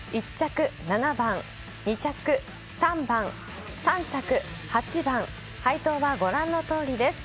１着・７番、２着・３番、３着・８番、配当はご覧の通りです。